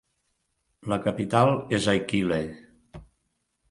La capital és Aiquile.